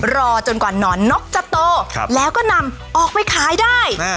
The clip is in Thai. รอจนกว่าหนอนนกจะโตแล้วก็นำออกไปขายได้